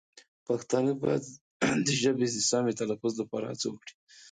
پښتانه باید د ژبې د سمې تلفظ لپاره هڅه وکړي.